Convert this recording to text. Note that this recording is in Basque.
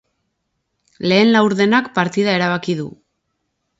Lehen laurdenak partida erabaki du.